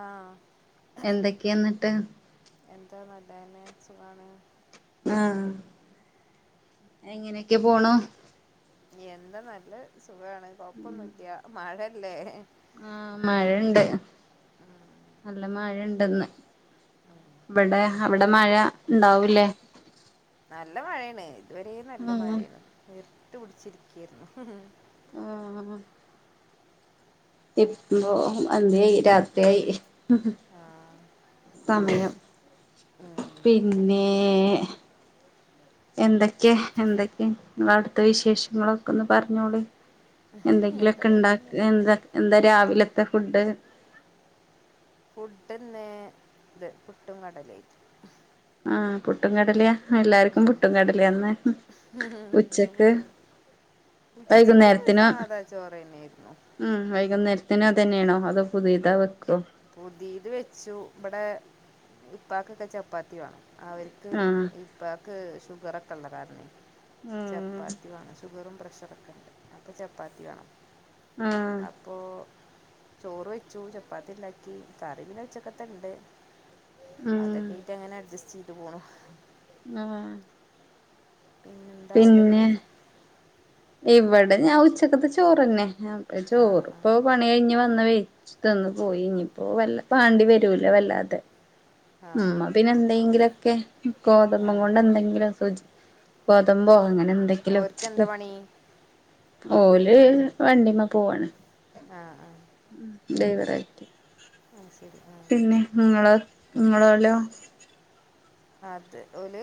ആഹ് എന്തൊക്കെയ എന്നിട്ട് എന്താ നല്ലതന്നെ സുഖാണ് ആഹ് എങ്ങനെയൊക്കെ പോണു എന്താ നല്ല സുഖാണ് കൊഴപ്പൊന്നുമില്ല്യ മഴയല്ലേ ആഹ് മഴയുണ്ട് നല്ല മഴ ഉണ്ടിന്ന് ഇവിടെ അവിടെ മഴ ഉണ്ടാവൂല്ലേ നല്ല മഴയാണ് ഇതുവര നല്ല ആഹ് മഴയാണ് നേർട്ട് പിടിച്ചിരിക്കയാരുന്നു ആഹ് ഇപ്പോ അന്ത്യായി രാത്രിയി ആഹ് സമയം ഉം പിന്നേ എന്തൊക്കെ എന്തൊക്കെയ നിങ്ങളെ അവിടുത്തെ വിശേഷങ്ങളൊക്കെ ഒന്ന് പറഞ്ഞോളി എന്താ എന്തെങ്കിലുമൊക്കെ ഉണ്ടാക്ക് കൊഴപ്പൊന്നുല്ല എന്ത് എന്താ രാവിലത്തെ ഫുഡ് ഫുഡിന്ന് ഇത് പുട്ടും കടലയും ആഹ് പുട്ടും കടല എല്ലാർക്കും പുട്ടും കടല ഇന്ന് പുട്ട് ഉച്ചക്കിന്ന് സാധാ ചോറ് തന്നെയായിരുന്നു ഉമ് വൈകുന്നേരത്തിന് അതു തന്നെയാണോ അതോ പുതിയതാ വെക്കുവോ പുതിയത് വെച്ചു ഇവിടെ ഉപ്പാക്കൊക്കെ ചപ്പാത്തി വേണം അവർക്ക് ആഹ് ഉപ്പാക്ക് ഷുഗർ ഒക്കെ ഉള്ളതാണേ ചപ്പാത്തി വേണം ഷുഗറും പ്രഷറൊക്കെ ഉണ്ട് അപ്പോ ചപ്പാത്തി വേണം ആഹ് അപ്പോ ചോറ് വെച്ചു ചപ്പാത്തി ഉണ്ടാക്കി കറി പിന്നെ ഉച്ചക്കത്തെ ഉണ്ട് ഉം അതൊക്കെയിട്ട് അങ്ങനെ അഡ്ജസ്റ്റ് ചെയ്തു പോണു ആഹ് പിന്നെ എന്താ അവിടെന്ന് പിന്നെ ഇവിടെ ഞാൻ ഉച്ചക്കത്തെ ചോറ് ന്നെ അഹ് ആ ചോറ് ആ ഇപ്പൊ പണി കഴിഞ്ഞ് വന്ന് വെച്ചിട്ടങ്ങു പോയി ഇനിയിപ്പോ വല്ല പാണ്ടി വരൂല വല്ലാതെ ആ ഉം അതിന്നെന്തെങ്കിലൊക്കെ ആ ആ ഗോതമ്പു കൊണ്ട് എന്തെങ്കിലും ഒക്കെ വച്ച് ഗോതമ്പോ അങ്ങനെ എന്തെങ്കിലും ഓർക്ക് എന്താ പണി വെക്കും ഓല് വണ്ടിമ്മേ പോവാണ് ആഹ് ആഹ് ഉം പുതിയ വറൈറ്റി ആയ്ശരി ആഹ് പിന്നെ നിങ്ങളെ നിങ്ങളല്ലോ അത് ഒല്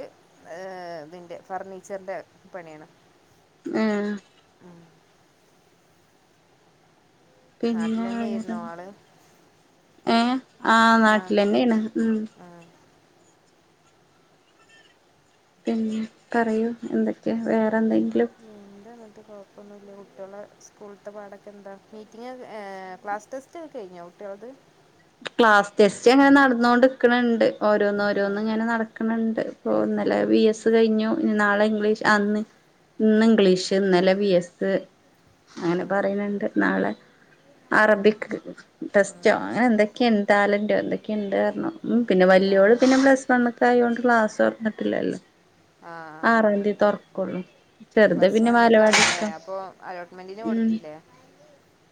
ഇതിന്റെ ഫർണീച്ചറിന്റെ പണിയാണ് ആഹ് ആഹ് പിന്നെ വേറെന്താ നാട്ടിലെന്നെയായിരുന്നോ ആള് ഏ ഹ് ആ ആഹ് നാട്ടിലന്നെയാണ് ഉം ആഹ് പിന്നെ പറയൂ എന്തൊക്കെയാ വേറെ എന്തെങ്കിലും എന്താ അങ്ങനത്തെ കുഴപ്പൊന്നൂല്ല കുട്ടികള് സ്കൂളത്തെ പാടൊക്കെ എന്താ മീറ്റിംഗ് ക്ലാസ് ടെസ്റ്റ് റ്റ് ക്കെ കഴിഞ്ഞോ കുട്ടികളേത് ക്ലാസ് ടെസ്റ്റ് അങ്ങനെ നടന്നോണ്ട് നിക്ക്‌ണണ്ട് ഓരോന്ന് ഓരോന്ന് ഇങ്ങനെ നടക്ക്‌ണണ്ട്. ഇപ്പൊ ഇന്നലെ വി എസ് കഴിഞ്ഞു ഇനി നാളെ ഇംഗ്ലീഷ് ആന്ന് ഇന്ന് ഇംഗ്ലീഷ് ഇന്നലെ ബി എസ് അങ്ങനെ ഉം പറയ്ണണ്ട് നാളെ അറബിക് ടെസ്റ്റോ അങ്ങനെ എന്തൊ ക്കെന്റ് ടാലന്റോ എന്തൊക്കെയുണ്ട് പറഞ്ഞു പിന്നെ വലിയോള് ആഹ് പിന്നെ പ്ലസ് വണ്ണ്ക്കായോണ്ട് ക്ലാസ് തുറന്നിട്ടില്ലല്ലോ. ആഹ് ആഹ് ആറാംതീ തുറക്കൊള്ളൂ. പ്ലസ് വൺക്ക് ആണല്ലേ അപ്പൊ അലോട്ട്മെന്റിന് കൊടുത്തില്ലേ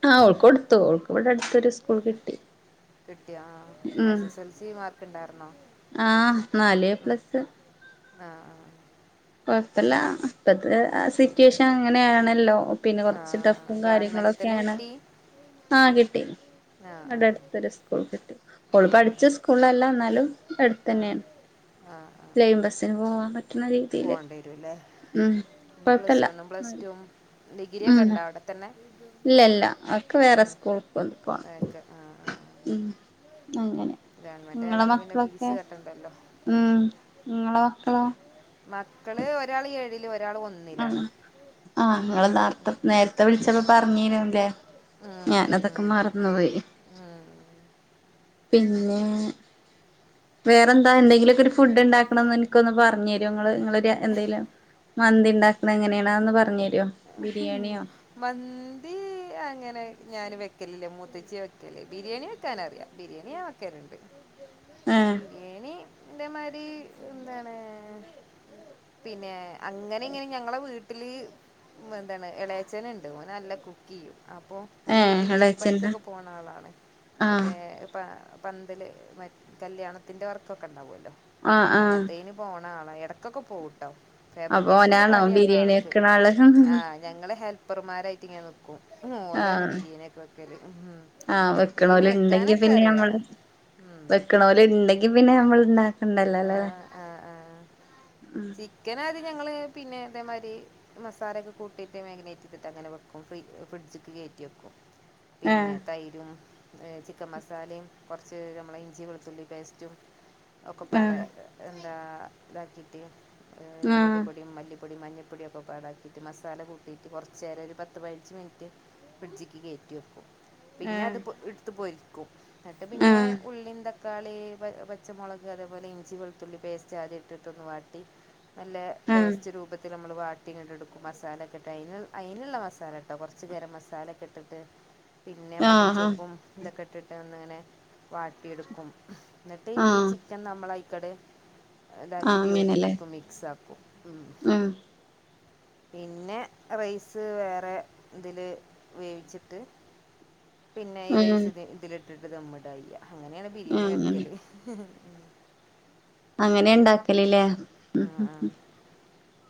ആ ഹ് ഓൾക്ക് കൊടുത്തു. ഓൾക്ക് ഇവിടെ അടുത്തൊരു സ്കൂൾ കിട്ടി കിട്ടിയാ ആ എസ് ഉം എസ് എൽ സി മാർക്ക് ഉണ്ടായിരുന്നോ ആഹ് നാല് എപ്ലസ് ആഹ് ആഹ് കൊഴപ്പല്ല ഇപ്പത്തെ സിറ്റുവേഷൻ അങ്ങനെയാണല്ലോ പിന്നെ കൊർ ആഹ് ച്ച് ആഹ് ടഫും ഗവൺമെന്റിൽ തന്നെ കാര്യങ്ങളൊക്കെയാണ് കിട്ടി ആ കിട്ടി ആഹ് ഇവടെ അടുത്ത് ആഹ് ത്തൊരു സ്കൂൾ കിട്ടി. ഓള് പഠിച്ച ആഹ് സ്കൂളിലല്ലാ ന്നാലും ആഹ് എട്ത്തന്നെണ്. ലൈൻ ബസ്സിന് പോകാൻ പറ്റ്ണ രീ പോണ്ടിരുംല്ലേ പ്ലസ് കൊഴപ്പല്ല വണ്ണും പ്ലസ്ടും ഡിഗ്രിയൊക്കെ ഉണ്ടോ അവിടെത്തന്നെ. ഇല്ലല്ല അവൾക്ക് വേറെ സ്കൂൾക്ക്‌ പോണം ഓക്കെ ആ ഉം അങ്ങനെ ഗവൺമെന്റ് നിങ്ങളെ ആയതുകൊണ്ട് പിന്നെ മക്കളൊക്കെ ഫീസ് കെട്ടണ്ടല്ലോ ഉം ങ്ങളെ മക്കളോ മക്കള് ഒരാൾ ഏഴില് ഒരാൾ ഒന്ന് ആഹ് ആഹ് ഇങ്ങൾ നാർത്തെ നേരത്തെ വിളിച്ചപ്പോ പറഞ്ഞീനൂല്ലേ. ഞാനതൊക്കെ മറന്ന് പോയി. ആഹ് ആഹ് പിന്നെ വേറെ എന്താ എന്തെങ്കിലുമൊക്കെ ഒരു ഫുഡ് ഉണ്ടാക്കണത് എനിക്കൊന്ന് പറഞ്ഞു തരോ ഇങ്ങള്. ഇങ്ങള് എന്തേലും മന്തി ണ്ടാക്കണത് എങ്ങനെയാണ് അതൊന്ന് പറഞ്ഞു തരോ ബിരിയാണിയോ മന്തി അങ്ങനെ ഞാൻ വെക്കലില്ല മൂത്തച്ചിയാ വെക്കല്. ബിരിയാണി വെക്കാനറിയാം ബിരിയാണിയ ഞാൻ വ ക്കെന്ത് ഏഹ് ബിരിയാണി ൻ്റെ മാരി എന്താണ് പിന്നെ അങ്ങനിം ഇങ്ങനിം ഞങ്ങളെ വീട്ടില് എന്താണ് എള ളച്ഛനുണ്ട് ഓന് നല്ല കുക്കെയ്യും. അപ്പോ ഓന് ഈ ഏഹ് ബിരിയാണി എളേച്ചന്റെ പണിക്കൊക്കെ പോണ ആളാണ് ആഹ് മറ്റേ പ പന്തല് മ കല്യാണത്തിറെ വർക്കൊക്കെ ഉണ്ടാവുമല്ലോ ആഹ് ആഹ് അങ്ങനത്തേനും പോണ ആളാ. ഇടക്കൊക്കെ പോവൂട്ടോ. അപ്പൊ ഫാബ്രിക്കേഷന്റെ ഓനാണോ പണിയാണ് ബിരിയാണി ആൾക്ക് വെക്കണ ആള് ആ ഞങ്ങള് ഹെൽപ്പർമാരായിട്ട് ഇങ്ങനെ നിൽക്കും. ഓലാണ് ആഹ് ബിരിയാണിയൊക്കെ വെക്കല് ആഹ് വെക്കണ ബിരിയാണി ഓല് ഉണ്ടെങ്കി വെക്കാനൊക്കെ പിന്നെ അറിയാം നമ്മള് ഉം. വെക്കണ ഓല് ഉണ്ടെങ്കി പിന്നെ നമ്മൾ ഇണ്ടാ ക്കണ്ടല്ലോ അല്ലേ ആഹ് ഉം ചിക്കന് ആദ്യം ഞങ്ങള് പിന്നെ ഇതേമാരി മസാലയൊക്കെ കൂട്ടിയിട്ട് മാഗിനേറ്റ് ചെയ്തിട്ട് അങ്ങനെ വെക്കും ഫ്രി ഫ്രിഡ്ജിക്ക് കേറ്റി വെക്കും. പിന്നെ ആഹ് തൈരും ചിക്കൻ മസാലയും കുറച്ച് നമ്മളെ ഇഞ്ചി വെളുത്തുള്ളി പേസ്റ്റും ഒക്കെ പാടെ ആഹ് എന്താ ഇതാക്കിയിട്ട് ആഹ് മുളക്പ്പൊടിയും മല്ലി പ്പൊടിയും മഞ്ഞൾപ്പൊടിയും ഒക്കെപാടെ ആക്കീട്ട് മസാല കൂട്ടിയിട്ട് കുറച്ചേരം ഒരു പത്ത് പതിനഞ്ച് മിനിറ്റ് ഫ്രിഡ്ജിക്ക് കേറ്റി വെക്കും. പിന്നെ ഏഹ് അത് പൊ ഇട്ത്ത് പൊരിക്കും ന്നിട്ട് പിന്നെ ആഹ് ഉള്ളി ന്തക്കാ തക്കാളി പ പച്ചമുളക് അതേപോലെ ഇഞ്ചി വെളുത്തുള്ളി പേസ്റ്റ് ആദ്യം ഇട്ടിട്ടൊന്ന് വാട്ടി നല്ല ആഹ് പേസ്റ്റ് രൂപത്തിൽ നമ്മൾ വാ. ഇട്ടിങ്ങട്ട് എടുക്കും മസാലൊക്കെ ഇട്ടോ അതിന് അതിനുള്ള മസാല കേട്ടോ കുറച്ച് നേരം ഗരംമസാലൊക്കെ ഇട്ടിട്ട് പിന്നെ ആഹ് ആഹ് മല്ലിചപ്പും ഇതൊക്കെ ഇട്ടിട്ട് ഒന്നിങ്ങനെ വാട്ടിയെടുക്കും. എന്നിട്ട് ഈ ആഹ് ചിക്കൻ നമ്മളയിക്കടെ ഇതാക്കിയിട്ട് യോജിപ്പിക്കും മിക്സ് ആക്കും. ഉം പിന്നെ റൈസ് വേറെ ഇതിൽ വേവിച്ചിട്ട് പിന്നെ ഈ ആഹ് റൈസ് ആഹ് ഇതി ഇതില് ഇട്ടിട്ട് ദം ഇടാ ചെയ്യാ അങ്ങനെയാണ് ബിരിയാണി അങ്ങനെ വെക്കല് ഹ് ഹ് [inaudible] അങ്ങനെയാ ഉണ്ടാക്കലില്ലേ ഉം ആ ഉം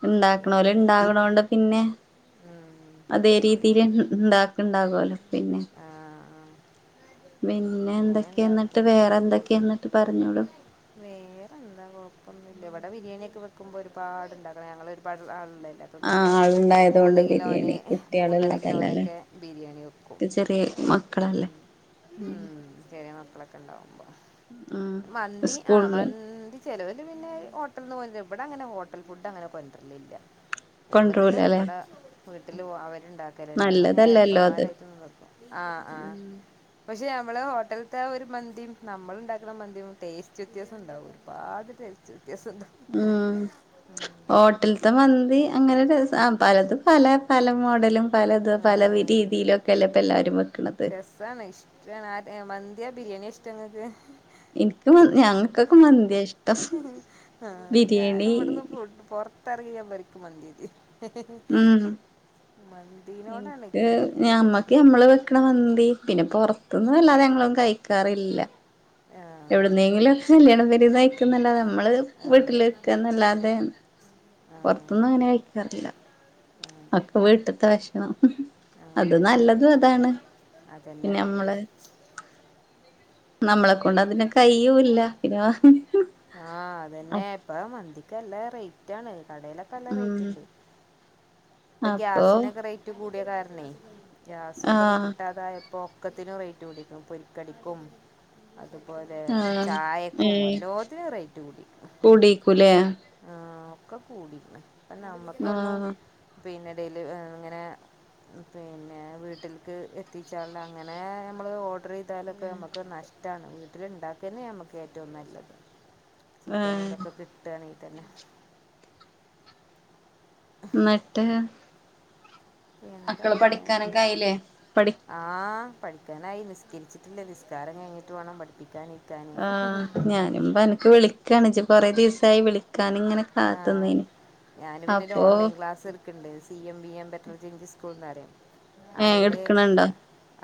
ഉണ്ടാക്കണോര് ഉണ്ടകണോണ്ട് പിന്നെ ഉം അതേ രീതി തീരെ ഇണ്ടാക്ക്ണ്ടാകുമല്ലോ പിന്നെ ആ ആ പിന്നെ അങ്ങനെ എന്തൊക്കെയാ എന്നിട്ട് ഉണ്ടാക്കും വേറെ എന്തൊക്കെയാ എന്നിട്ട് പറഞ്ഞോളു വേറെ എന്താ കുഴപ്പൊന്നുമില്ല ഇവിടെ ബിരിയാണി ഒക്കെ വെക്കുമ്പോൾ ഒരുപാട് ഉണ്ടാക്കണം ഞങ്ങൾ ഒരുപാട് ആളൊള്ളല്ലേ. അപ്പം പിന്നെ ആഹ് ആളുണ്ടായത് മൂന്ന് കൊണ്ട് കിലോന് ബിരിയാണി കുട്ടികള് മൂന്നര കിലോന് ഇള്ളതല്ലല്ലേ ഒക്കെ ബിരിയാണി വെക്കും കളല്ലേ ഉം ചെറിയ മക്കളൊക്കെ ഉണ്ടാവുമ്പോ ആഹ് മന്തി ആഹ് മ സ്കൂളില് ചിലവര് പിന്നെ ഹോട്ടൽ നിന്ന് പോ [unintelligible] ഇവിടെ അങ്ങനെ ഹോട്ടൽ ഫുഡ് അങ്ങനെ കൊണ്ടുവര്ലില്ല കൂടുതലും കൊണ്ടരൂലല്ലേ ഇവിടെ വീട്ടിൽ അവരുണ്ടാ [unintelligible] ഞങ്ങൾ ഇങ്ങനെ നല്ലതല്ലല്ലോ അത് ഹെൽപ്പർമാരായിട്ട് നിക്കും ആഹ് ആഹ് പക്ഷെ നമ്മള് ഹോട്ടൽത്തെ ഒരു മന്തിയും നമ്മൾ ഉണ്ടാക്കുന്ന മന്തിയും ടേസ്റ്റ് വ്യത്യാസം ഉണ്ടാവും. പാട് ടെസ്റ്റ് വ്യത്യാസമുണ്ട് ഉം ഹോട്ടൽത്തെ മന്തി അങ്ങനെ രസാ ആഹ് പലതും പല പല മോഡലും പലത് ആ പല രീതിയിലൊക്കെ അല്ലേ ഇപ്പം എല്ലാരും വെ രസാണ് ഇഷ്ടാണ് ആഹ് മന്തിയാ ബിരിയാണിയാ ഇഷ്ടം ഇങ്ങക്ക് എനിക്ക് ഞങ്ങൾക്കൊക്കെ മന്തിയാ ഇഷ്ടം ആഹ് ഞാൻ ബിരിയാണി ഇവിടുന്ന് ഫുഡ് പൊറ. ഇത്രയും പേർക്ക് മന്തിയാ ഇത്. ഉം. മതി ഇൻക്ക് ഞമ്മക്ക് ഞമ്മള് വെക്ക്ണ മന്തി പിന്നെ പൊറത്തുന്നു വല്ലാതെ ഞങ്ങളൊന്നും കഴിക്കാറില്ല ഏ എവിടുന്നെങ്കിലും കല്യാണം പെരേന്ന് കഴിക്കുന്നല്ലാതെ നമ്മള് ആ വീട്ടിൽ വെക്കുക എന്നല്ലാതെ ആ പുറത്ത്ന്നങ്ങനെ കഴിക്കാറില്ല. [inaudible] അതൊക്കെ വീട്ടിത്തെ ഭക്ഷണം ആ അത് നല്ലതും അതാണ് അതന്നെ പിന്നെ നമ്മള്. നമ്മളെ കൊണ്ട് അതിനാ കയ്യുല്ല ആ അതെന്നെ ഇപ്പ മന്തിക്ക് നല്ല റേറ്റ് ആണ് കടയിലൊക്കെ നല്ല റേറ്റ് ഉം ഉണ്ട്. ഇപ്പൊ അപ്പൊ ഗ്യാസിനൊക്കെ റേറ്റ് കൂടിയ കാരണേ ഗ്യാസ് ഉണ്ടൊക്കെ ആഹ് കിട്ടാതായപ്പോ ഒക്കെത്തിനും റേറ്റ് കുടിക്കും പൊരി കടിക്കും. അതുപോലെ ആഹ് ചായക്കും ഏഹ് എല്ലാത്തിനും റേറ്റ് കൂടീക്ക്ണു കൂടിക്കൂലേ ആഹ് ഒക്കെ കൂടിക്കണ് ഇപ്പ നമ്മുക്കൊന്നും ആഹ് പിന്നെ ഡെലി ഇങ്ങനെ. പിന്നെ വീട്ടിൽക്ക് എത്തിച്ചാൽ അങ്ങനെ നമ്മള് ഓ. ഓഡർ ചെയ്താലൊക്കെ നമുക്ക് നഷ്ടമാണ് വീട്ടിലുണ്ടാക്കന്നേ നമുക്ക് ഏറ്റവും നല്ലത് ചിക്കൻ ആഹ് എന്തൊക്കെ കിട്ടാണെങ്കി തന്നെ ന്നട്ട് മക്കള് പഠിക്കാനൊക്കെ ആയില്ലേ പഠി ആഹ് പഠിക്കാനായി നിസ്കരിച്ചിട്ടില്ല നിസ്കാരം കഴിഞ്ഞിട്ട് വേണം പഠി വിളിക്കാ നിക്കാൻ ആ ഞാനുപ്പ അൻക്ക് വിളിക്കാണ് ഇജ് കൊറെദിവസായി വിളിക്കാന് ഇങ്ങനെ ആഹ കാത്തുന്നേന് ഞാന് പിന്നെരു അപ്പൊ ഓൺലൈൻക്ലാസ് എട് ക്കണ്ട് സിഎംബിഎം ബെറ്റർ ചെയ്ൻഞ്ച് സ്കൂൾന്നറിം ഏഹ് അയില് എടുക്കണുണ്ടോ ഞ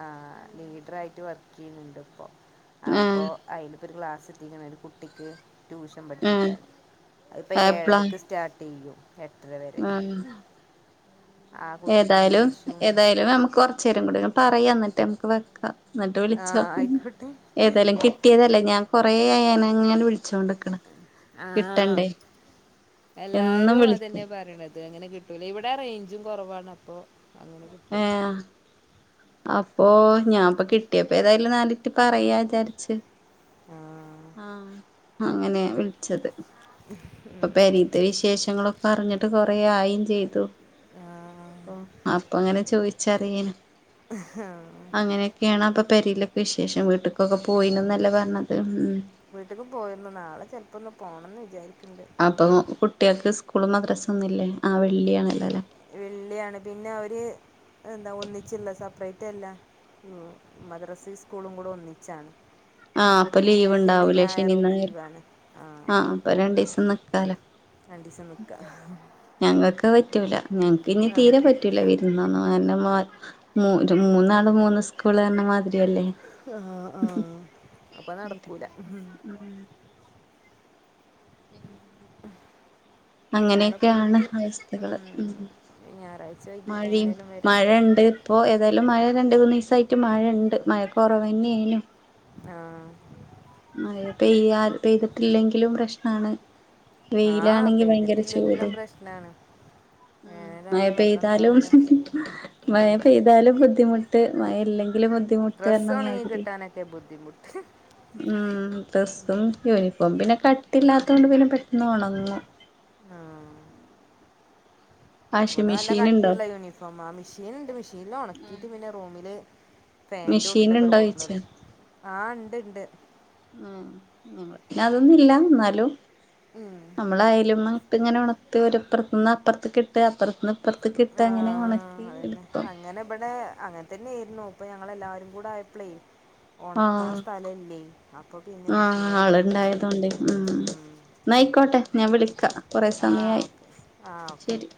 ആഹ് ലീഡ്ര ആയിട്ട് വർക്കയ്യുന്നുണ്ട് ഇപ്പൊ അപ്പോ ആഹ് അതിലിത്തൊരു ക്ലാസ്ത്തിക്കണ് ഒരുകുട്ടിക്ക് ട്യൂഷൻ ആഹ് പഠിപ്പിക്കാൻ ഇപ്പൊ എപ്പളാ ഏഴരക്ക് സ്റ്റാർട്ടെയ്യും എട്ടര വരെ ആഹ് ആ കുട്ടിക്ക് ഏതായാലും ഇംഗ്ലീഷും ഏതായാലും നമുക്ക് കൊറച്ചേരം കൂടി പറയാ ന്നിട്ട്മക്ക് വെക്ക ന്നട്ട് ആ വിളിച്ചൊ ആയിക്കോട്ടെ ഏതേലും കിട്ടിയതല്ലേ ഞാൻ കൊറേ ആയി അന്നങ്ങനെ വിളിച്ചോണ്ട്ക്ക് ആഹ എന്നും എല്ലാരും അതന്നെ വിളിക്കും പറിണത് ത് അങ്ങനെ കിട്ടൂല ഇവിടെ റൈഞ്ചും കൊറവാണ് അപ്പോ അങ്ങനെ കി ഏഹാ അപ്പൊ ഞാപ്പ കിട്ടിയപ്പ ഏതായാലും നാലിൻറ്റ് പറയാ ചാര്ച്ച് ആഹ് ആഹ് അങ്ങനെയാ വിൾച്ചത് ഇപ്പൊ പെരീത്തെ വിശേഷങ്ങളൊക്കെ അർഞ്ഞിട്ട് കൊറെ ആയിം ചെയ്തു ആ പ്പൊ അപ്പൊങ്ങനെ ചോയിച്ചറിയെനി അങ്ങനെയൊക്കേണ് അപ്പൊ പെരിലൊക്കെ വിശേഷം വീട്ട്ക്കൊക്കെ പോയിണ്ന്നല്ലേ പർഞ്ഞത് ഉം വീട്ട്ക്ക് പോയിര്ന്നു നാളെ ചെല്പന്ന് പോണന്ന് വിചാരിക്ണ്ട് അപ്പോ കുട്ടേക്ക് സ്കൂളും മദ്രസ ഒന്നുമില്ലേ ആ വെള്ളിയാണല്ലലെ വെള്ളിയാണ് പിന്നെ അവര് എന്താ ഒന്നിച്ചിള്ള സെപ്പറേറ്റ് അല്ല ഉം മദ്രസിം സ്കൂളും കുടെ ഒന്നിച്ചാണ്. അപ്പൊ പിന്നെ ശനി ഞായറും ലീവാണ് ആഹ് അപ്പൊ രണ്ടീസം നിക്കാലോ രണ്ടീസം ന്നിക്ക ഞങ്ങക്ക് പറ്റൂല ഞങ്ങക്ക് ഇനി തീരെപറ്റൂല വിരുന്നൊന്ന് [unintelligible] നടന്നു പോകുന്ന സ്കൂള് കാരണംമാതിരില്ലേ അപ്പൊ നടക്കൂല [unintelligible] പിന്നെ നാളെ അങ്ങനെയൊക്കെയാണ് പോയിട്ട് അവസ്ഥകള് ഉം ഉം ഞായറാഴ്ച വൈകിട്ട് മഴിം എങ്ങനെയും വരാൻ നിൽക്കണം മഴണ്ട് ഇപ്പോ ഏതായ്‌ലും മഴ രണ്ട് മൂന്നീസായിട്ട് മഴണ്ട് മഴ കൊറവന്നെയ്നു ആഹ് മഴപെയ്യാൽ പെയ്ത്ട്ടില്ലെങ്കിലും പ്രശ്നാണ് ആ വെയിലാണെങ്കി ഭയങ്കര ചൂട് പെയ്തിട്ടില്ലെങ്കിലും പ്രശ്നമാണ് മഴ വേനലായ വെള്ളം പെയ്താലും ഉണ്ടാവില്ല മഴ പെയ് താലും ബുദ്ധിമുട്ട് മഴ ഇല്ലെങ്കിലും ബു ഡ്രസ്സ് ഒണങ്ങികിട്ടാനെക്കെ ബുദ്ധിമുട്ട്. ഉം ഡ്രസ്സും യൂനിഫോം പിന്നെ കട്ടില്ലാത്തോണ്ട് പിന്നെ പെട്ടെന്ന് ഒണങ്ങും ആഹ് വാഷിംഗ് ഇവടെ നല്ല മെഷീൻ ഇണ്ടോ കട്ടിള്ള യൂനിഫോമാ മിഷീന്ണ്ട് മിഷീൻല ഒണക്കീട്ട് പിന്നെ റൂമില് മെഷീൻ ഫാന്റോട്ടിലൊക്കെട് ഇണ്ടോ ചോയിച്ചാ കൊട്ന്ന്ടും ആഹ് ണ്ട് ണ്ട് ആ [unintelligible] ന്നുല്ല ന്നാലും ഉം. നമ്മള് ആയാലുംമപ്പ് ഇങ്ങനെ ഒണത്ത് ഇപ്പറത്ത് നിന്ന് അപ്പർത്തക്കിട്ട് അപ്പറത്ത് നിന്ന് ഇ ആഹ് അതന്നെ അങ്ങനെ ഇബടെ അങ്ങ തൻന്നേര്ന്നു ഇപ്പ ഞങ്ങളെല്ലാരും കൂടായപ്ളേ ഒണക്കാ ആഹ് സ്ഥലലല്ലേ അപ്പപിന്നെ മിഷീനട് വേട്ച്ചു. ലെ ഉം എന്നയിക്കോട്ടെ ഞാൻ വിളിക്ക കൊറെ ആ സമയായി ഓക്കെ ആ ഓക്കെ ശരി ഓക്കെ